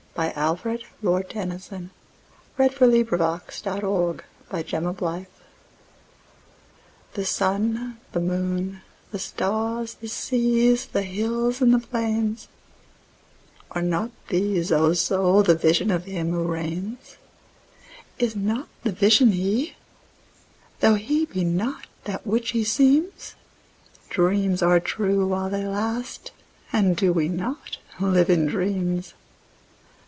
1917. Alfred, Lord Tennyson (1809–1892) 93. The Higher Pantheism THE SUN, the moon, the stars, the seas, the hills and the plains—Are not these, O Soul, the Vision of Him who reigns? Is not the Vision He? tho' He be not that which He seems? Dreams are true while they last, and do we not live in dreams?